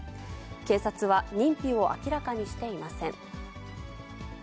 警察は認否を明らかにしていません。